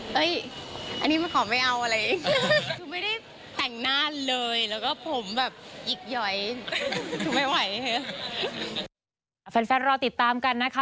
เฮ้ยอันนี้มาขอไม่เอาอะไร